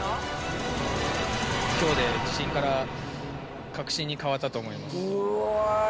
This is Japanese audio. きょうで自信から確信に変わったと思います。